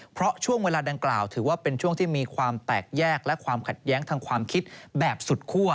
เพราะช่วงเวลาดังกล่าวถือว่าเป็นช่วงที่มีความแตกแยกและความขัดแย้งทางความคิดแบบสุดคั่ว